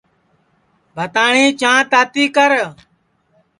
بھتاٹؔی چھانٚھ تاتی کر